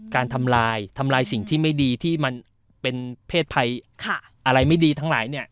การทำลายทำลายสิ่งที่ไม่ดีที่มันเป็นเพศภัยอะไรไม่ดีทั้งหลายเนี่ย